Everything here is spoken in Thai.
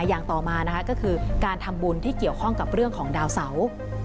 อย่างต่อมานะคะก็คือการทำบุญที่เกี่ยวข้องกับเรื่องของดาวเสา